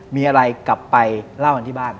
มีอะไรกลับไปเล่ากันที่บ้าน